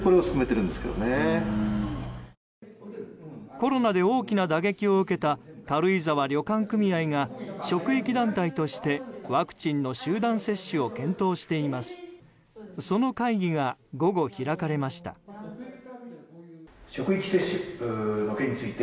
コロナで大きな打撃を受けた軽井沢旅館組合が職域団体として、ワクチンの集団接種を検討しています。